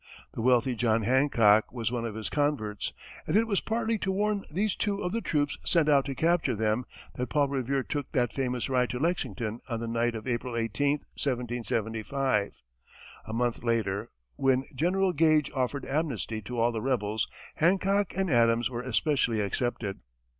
The wealthy John Hancock was one of his converts, and it was partly to warn these two of the troops sent out to capture them that Paul Revere took that famous ride to Lexington on the night of April 18, 1775. A month later, when General Gage offered amnesty to all the rebels, Hancock and Adams were especially excepted.